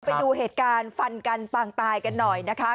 ไปดูเหตุการณ์ฟันกันปางตายกันหน่อยนะคะ